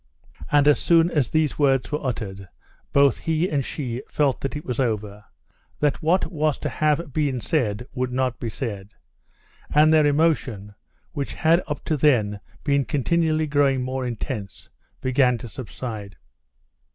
And as soon as these words were uttered, both he and she felt that it was over, that what was to have been said would not be said; and their emotion, which had up to then been continually growing more intense, began to subside.